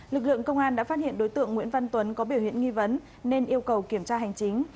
lực lượng công an đã phát hiện đối tượng nguyễn văn tuấn có biểu hiện nghi vấn nên yêu cầu kiểm tra hành chính